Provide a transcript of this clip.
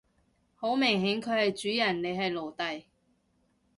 好明顯佢係主人你係奴隸